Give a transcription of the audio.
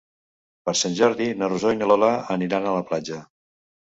Per Sant Jordi na Rosó i na Lola aniran a la platja.